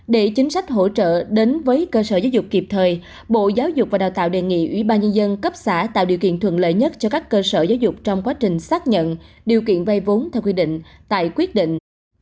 để chính sách hỗ trợ đến với cơ sở giáo dục kịp thời bộ giáo dục và đào tạo đề nghị ủy ban nhân dân cấp xã tạo điều kiện thuận lợi nhất cho các cơ sở giáo dục trong quá trình xác nhận điều kiện vay vốn theo quy định tại quyết định